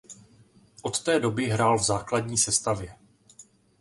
Od té doby hrál v základní sestavě.